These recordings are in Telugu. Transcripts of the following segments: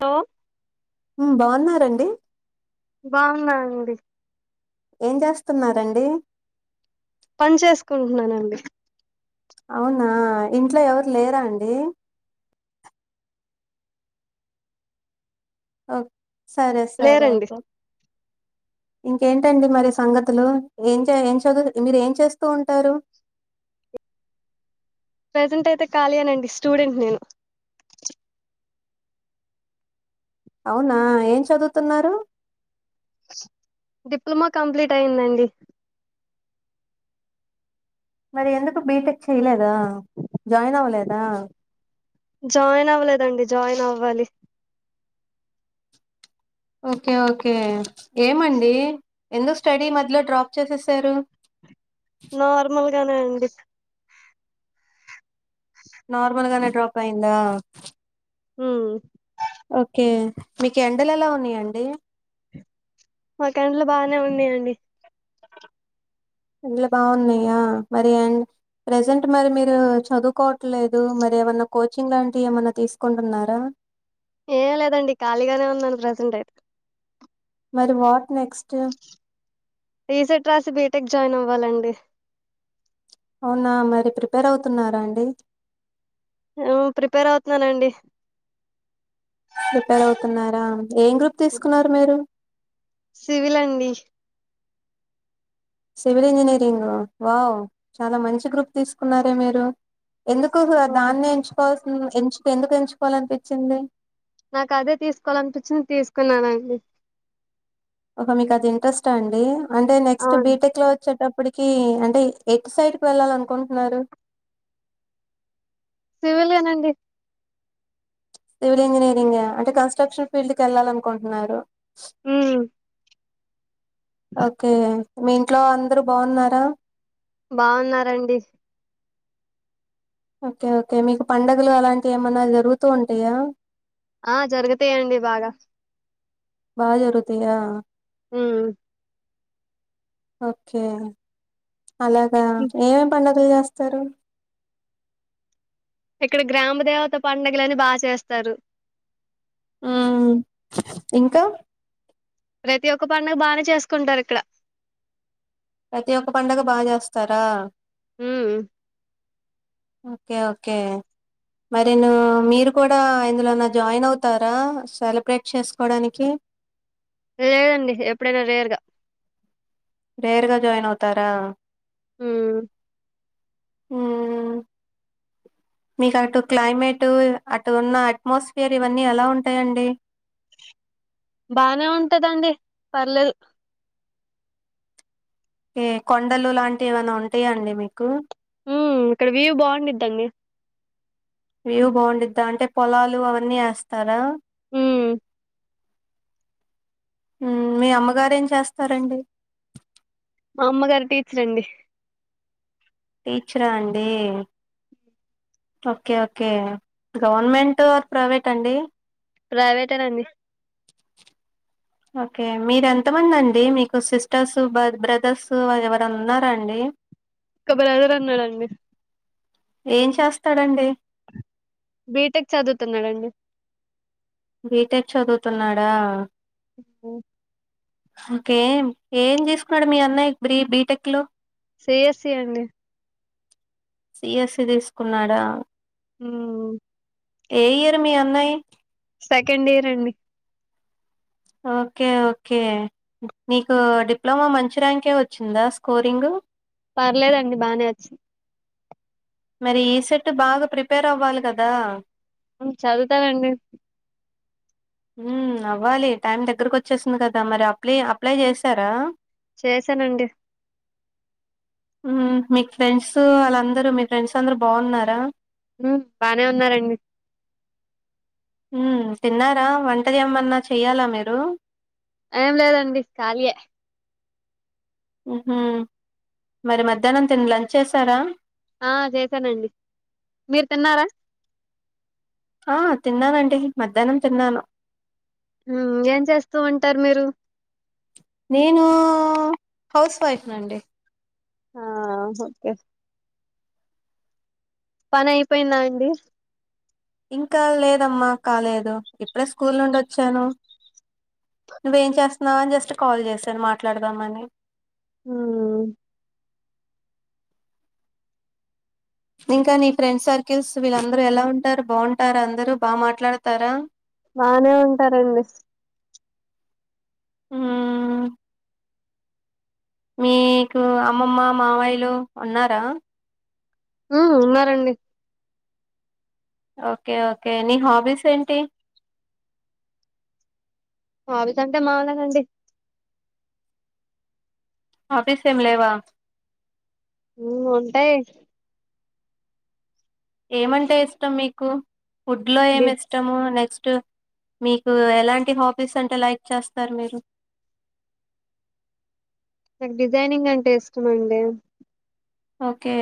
తో మ్మ్ బాగున్నారండి బాగున్నా అండి ఏం చేస్తున్నారండి పని చేసుకుంటున్నానండి అవునా ఇంట్లో ఎవరు లేరా అండి ఓ సరే సరే లేరండి అయితే ఇంకేంటండి మరి సంగతులు ఏం చే ఏం చదువు మీరు ఏం చేస్తూ ఉంటారు ప్రజెంట్ అయితే ఖాళీయే అండి స్టూడెంట్ నేను అవునా ఏం చదువుతున్నారు డిప్లొమా కంప్లీట్ అయిందండి మరి ఎందుకు బీటెక్ చేయలేదా జాయిన్ అవ్వలేదా జాయిన్ అవ్వలేదండి జాయిన్ అవ్వాలి ఓకే ఓకే ఏమండి ఎందుకు స్టడీ మధ్యలో డ్రాప్ చేసేసారు నార్మల్ గానే అండి నార్మల్ గానే డ్రాప్ అయిందా హ్మ్ ఓకే, మీకు ఎండలెలా ఉన్నాయండి? మాకు ఎండలు బానే ఉన్నాయండి. ఎండలు బాగున్నయా? మరి ఎండ్ ప్రజెంట్ మరి మీరు, చదువుకోవట్లేదు. మరి ఏమన్నా కోచింగ్ లాంటివి ఏమన్నా తీసుకుంటున్నారా? ఏం లేదండి, ఖాళీగానే ఉన్నాను ప్రజెంట్ అయితే. మరి వాట్ నెక్స్ట్? ఈ సెట్ రాసి, బీటెక్ జాయిన్ అవ్వాలండి. అవునా, మరి ప్రిపేర్ అవుతున్నారా అండి? ఉమ్, ప్రిపేర్ అవుతున్నానండి. ప్రిపేర్ అవుతున్నారా? ఏం గ్రూప్ తీసుకున్నారు మీరు? సివిల్ అండి. Civil engineering wow! చాల మంచి గ్రూప్ తీసుకున్నారే మీరు? ఎందుకు? దాన్నే ఎంచుకోవాల్స్ ఎంచుకు, ఎందుకు ఎంచుకోవాలనిపిచ్చింది? నాకదే తీసుకోవాలినిపిచ్చింది, తీసుకున్నానండి. ఒకె, మీకు అది ఇంట్రెస్ట్ ఆ అండి? అంటే, నెక్స్ట్ అవును బీటెక్ లో వచ్చేటప్ ఇప్పటికి అంటే, ఎట్ సైడ్ వెళ్ళాలి అనుకుంటున్నారు? సివిలే నండి. సివిల్ ఇంజనీరింగ్ ఆ? అంటే కన్స్ట్రక్షన్ ఫీల్డ్కెళ్ళాలి అనుకుంటున్నారు. ఉమ్ ఓకే. మీ ఇంట్లో, అందరు బాగున్నారా? బాగున్నారండి. ఓకే ఓకే, మీకు పండగలు అలాంటివి ఏమన్నా జరుగుతూ ఉంటయా? ఆ జరుగుతయండి బాగా. బాగ జరుగుతయా? ఉమ్ ఓకే. అలాగా? హ్మ్. ఏమేం పడుగ టె చేస్తరు? ఇక్కడ, గ్రామ దేవత పడుగలని బాగ చేస్తారు. ఆ, ఆ. ఇంకా ప్రతి ఒక్క పడుగ బానే చేసుకుంటారిక్కడ ప్రతి ఒక్క పండగ బాగ చేస్తారా? ఉమ్ ఓకే ఓకే మరి నూ మీరు కూడా ఇందులోన జాయిన్ అవుతారా? సెలబ్రేట్ చేసుకోవడానికి. లేదండి, ఎప్పుడైనా రేర్ గా రేర్గా జాయిన్ అవుతారా? హుమ్ ఉమ్, మీకు అటు క్లైమేటు అటు ఉన్న అట్మాస్ఫియర్ ఇవన్నీ ఎలా ఉంటాయంండి? బానే ఉంటదండి, పర్లేదు. ఏ కొండలు లాంటివి ఏమైనా, ఉంటయా అండి మీకు? ఉమ్, ఇక్కడ వ్యూ బాగుందిద్దండి. వ్యూ బాగుండిద్దా అంటే పొలాలు అవన్నీ ఏస్తారా ఉమ్ ఉం మీ అమ్మగారు ఏం చేస్తారండి మా అమ్మగారు టీచర్ అండి టీచరా అండి okay okay government or private అండి ప్రైవేటె అండి ఓకే మీరు ఎంతమంది అండి మీకు సిస్టర్స్ బ్ర బ్రదర్స్ ఎవరన్నా ఉన్నారా అండి ఒక బ్రదర్ ఉన్నాడండి తడండి బీటెక్ చదువుతున్నాడండి బీటెక్ చదువుతున్నాడా ఉమ్ ఇంకేం ఏం తీసుకున్నాడు మీ అన్నయ బ్రీ బీటెక్ లో సి ఎస్సీ అండి సిఎస్సి తీసుకున్నాడా ఉమ్ ఏయ్రు మీ అన్నయి సెకండ్ ఇయర్ అండి ఓకే ఓకే నీకు డిప్లొమా మంచి ర్యాంకే వచ్చిందా స్కోరింగ్ పర్లేదండి బానే వచ్చింది మరి ఈసెట్ బాగా ప్రిపేర్ అవ్వాలి కదా ఉమ్ చదువుతాడాన్డీ ఉమ్ అవ్వాలి టైం దగ్గరకు వచ్చేసింది కదా మరి అప్లై అప్లై చేశారా చేసానండి ఉమ్ మీకు ఫ్రెండ్స్ వాళ్ళందరు మీ ఫ్రెండ్స్ అందరూ బాగున్నారా ఉమ్ బానే ఉన్నారండి ఉమ్ తిన్నారా వంట ఏమన్నా చెయ్యాలా మీరు ఏం లేదండి కాళీయే ఉహు మరి మధ్యాహ్నం తిని లంచ్ చేసారా ఆ చేసానండి మీరు తిన్నారా ఆ తిన్నానండి మధ్యాహ్నం తిన్నాను ఉమ్ ఏం చేస్తూ ఉంటారు మీరు నేను హౌస్ వైఫ్ నండి ఆ ఓకే పని అయిపోయిందా అండి ఇంకా లేదమ్మా కాలేదు ఇప్పుడే స్కూల్ నుండి వచ్చాను నువ్వేం చేస్తున్నావ్ అని జస్ట్ కాల్ చేశాను మాట్లాడదామని ఉమ్ ఇంకా నీ ఫ్రెండ్ సర్కిల్స్ వీళ్ళందరూ ఎలా ఉంటారు బాగుంటార అందరూ బా మాట్లాడతారా బానే ఉంటారండి ఉమ్ మీకు అమ్మమ్మ మావాయిలు ఉన్నారా ఉ ఉన్నారండి ఒకే ఒకే నీ హాబీస్ ఏంటి హాబీస్ అంటే మామూలేనండి హాబీస్ ఏం లేవా ఉ ఉంటాయ్ ఏమంటే ఇష్టం మీకు ఫుడ్ లో డి ఏమి ఇష్టము నెక్స్ట్ టు మీకు ఎలాంటి హాబీస్ అంటే లైక్ నాకు డిజైనింగ్ అంటే ఇష్టమండి ఓకే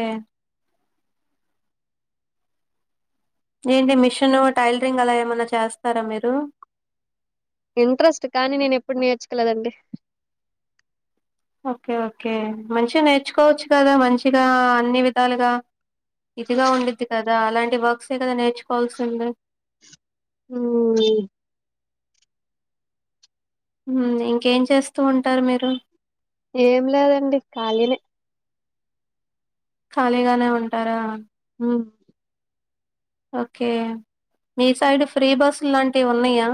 ఏంటి మిషన్ టైలరింగ్ అలా ఏమైనా చేస్తారా మీరు ఇంట్రెస్ట్ కానీ నేను ఎప్పుడు నేర్చుకోలేదండి ఓకే ఓకే మంచిగా నేర్చుకోవచ్చు కదా మంచిగా అన్ని విధాలుగా ఇదిగా ఉండిద్ది కదా అలాంటి వర్క్స్ ఏ కదా నేర్చుకోవాల్సింది హూ మ్మ్ ఇంకేం చేస్తూ ఉంటారు మీరు ఏం లేదండి ఖాళీనే ఖాళీగానే ఉంటారా ఉమ్మ్ ఓకే మీ సైడ్ ఫ్రీ బస్సు ల్లాంటివి ఉన్నాయా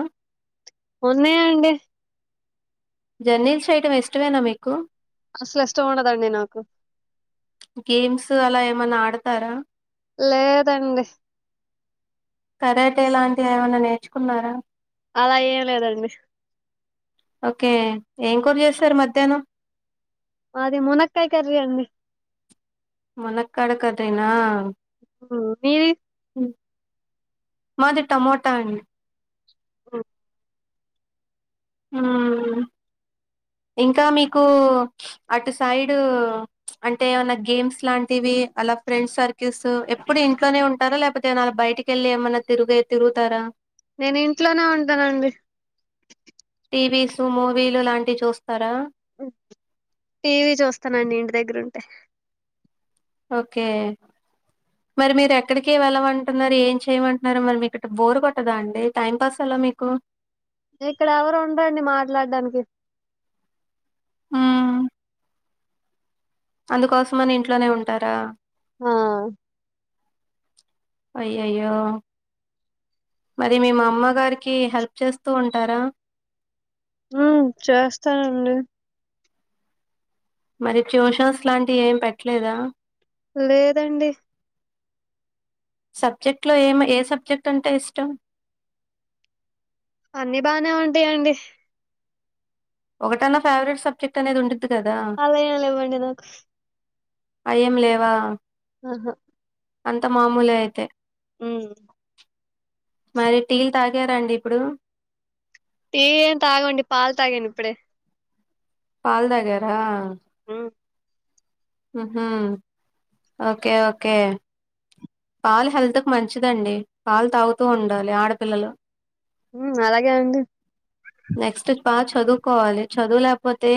ఉన్నాయ్ అండి జర్నీల్స్ చెయ్యటం ఇష్టమేనా మీకు అస్సలు ఇష్టం ఉండదండి నాకు గేమ్స్ అలా ఏమన్నా ఆడతారా లేదండి కరాటే లాంటివి ఏమన్నా నేర్చుకున్నారా అలా ఏం లేదండి ఓకే ఏం కూర చేశారు మధ్యాహ్నం మాది మునక్కాయ కర్రీ అండి మునక్కాడ కర్రీ నా మీది మాది టమోటా అండ్ ఊ ఉమ్మ్ ఇంకా మీకు అటు సైడ్ అంటే ఏమన్నా గేమ్స్ లాంటివి అలా ఫ్రెండ్స్ సర్ కిస్సు ఎప్పుడు ఇంట్లోనే ఉంటారా లేప్ పోతే నాలా బయటికెళ్లి ఏమన్నా తిరుగే తిరుగుతారా నేను ఇంట్లోనే ఉంటానండి టీ వీ స్ మూవీ లు లాంటివి చూస్తారా టీ వీ చూస్తానండి ఇంటి దగ్గరుంటే ఓకే మరి మీరెక్కడకీ వెళ్ళమంటున్నారు ఏం చెయ్యమంటున్నారు మరి మీకిట్ట బోర్ కొట్టదా అండి టైం పాస్ ఎలా మీకు ఇక్కడ ఎవరు ఉండరండి మాట్లాడ్డానికి అందుకోసం అని ఇంట్లోనే ఉంటారా ఆ అయ్యయ్యో మరి మీ మమ్మగారికి హెల్ప్ చేస్తూ ఉంటారా ఉమ్మ్ చేస్తానండి మరి ట్యూషన్స్ లాంటివి ఏం పెట్టలేదా లేదండి సబ్జెక్ట్ లో ఏం ఏ సబ్జెక్ట్ అంటే ఇష్టం అన్ని బానే ఉంటాయండి ఒకటన్నా ఫేవరెట్ సబ్జెక్ట్ అనేది ఉండుద్ అలా ఏం లెవ్వండి నాకు అయ్యేం లేవా ఆహా అంతా మామూలే ఐతే ఉమ్ మరి టీ లు తాగారా అండి ఇప్పుడు టీ ఏం తాగమండి పాలు తాగాను ఇప్పుడే పాల్ తాగారా ఉ ఉహు ఓకే ఓకే పాలు హెల్త్ కి మంచిదండి పాలు తాగుతూ ఉండాలి ఆడపిల్లలు ఉ అలాగే అండి నెక్స్ట్ బాగా చదువుకోవాలి చదువు లేపోతే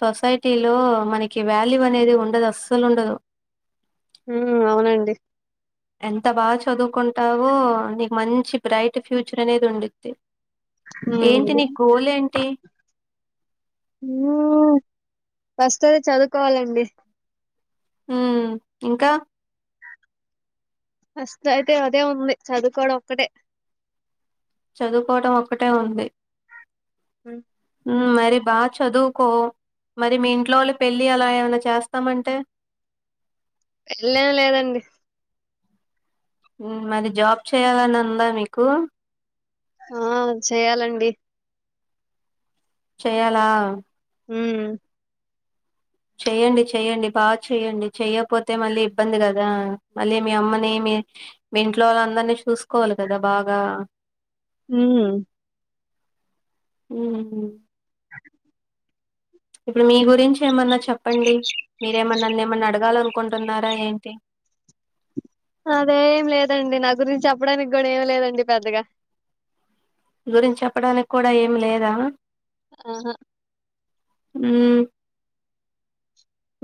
సొసైటీలో మనకి వాల్యూ అనేది ఉండదు అస్సలు ఉండదు ఉ అవునండి ఎంత బాగా చదువుకుంటావో నీకు మంచి బ్రైట్ ఫ్యూచర్ అనేది ఉండిద్ది ఏంటి హామ్ నీ గోల్ ఏంటి గోల్ వస్తది చదువుకోవాలండి మ్ ఇంకా ఫస్ట్ అయితే అదే ఉంది చదువుకోవడం ఒక్కటే చదువుకోవడం ఒక్కటే ఉంది హాయి మరి బాగా చదువుకో మరి మీ ఇంట్లో వాళ్ళు పెళ్ళి అలా ఏమనా చేస్తామంటే పెళ్లేమీ లేదండి ఉ మరి జాబ్ చేయాలని ఉందా మీకు ఆ చేయాలండి చేయాలా ఉ చెయ్యండి చెయ్యండి బాగా చెయ్యండి చెయ్యపోతే మళ్ళీ ఇబ్బంది కదా మళ్ళీ మీ అమ్మని మీ మీ ఇంట్లో వాళ్ళ అందరినీ చూసుకోవాలి కదా బాగా నియ్యను ఉహు ఇప్పుడు మీ గురించి ఏమన్నా చెప్పండి మీరేమన్నా నన్నేమన్న అడగాలనుకుంటున్నారా ఏంటి అదేం లేదండి నా గురించి చెప్పడానికి కూడా ఏమి లేదండి పెద్దగా మీ గురించి చెప్పడానికి కూడా ఏమి లేదా ఆహా ఉ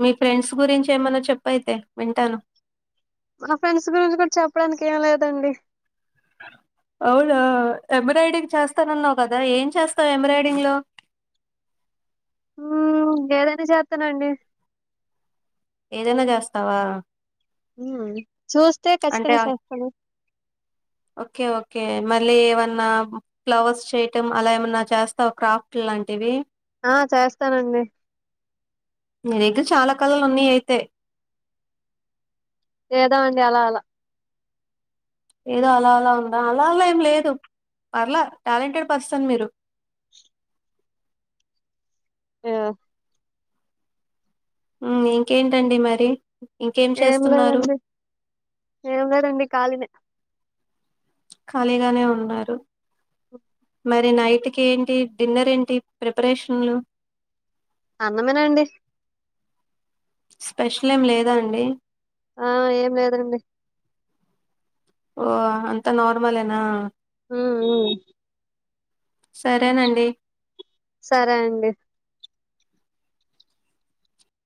మీ ఫ్రెండ్స్ గురించి ఏమన్న చెప్పైతే వింటాను మా ఫ్రెండ్స్ గురించి కూడా చెప్పడానికి ఏం లేదండి అవునా ఎంబ్రాయిడింగ్ చేస్తానన్నావు కదా ఏం చేస్తావు ఎంబ్రాయిడింగ్ లో ఉ ఏదైనా చేత్తనండి ఏదైనా జేస్తావా ఉ చూస్తే ఖచ్చితంగా ఆ- చేస్తను ఓకే ఓకే మళ్ళీ ఏమన్నా ఫ్లవర్స్ చేయటం అలా ఏమన్నా చేస్తావు క్రాఫ్ట్ లాంటివి ఆ చేస్తానండి మీకు చాలా కలలు ఉన్నాయి అయితే ఏదో అండి అలా అలా ఏదో అలా అలా ఉందా అలా అలా ఏం లేదు పర్లే టాలెంటెడ్ పర్సన్ మీరు య ఉ ఇంకేంటండి మరి ఇంకేం ఏం చేస్తున్నారు లేదండి ఏం లేదండి కాలినే ఖాళీగానే ఉన్నారు మరి నైట్కి ఏంటి డిన్నర్ ఏంటి ప్రిపరేషన్లు అన్నమే నండి స్పెషల్ ఏం లేదా అండి. ఆ ఏం లేదండి. ఓ అంత నార్మలేనా ఆ ఆ సరేనండి. సరే అండి.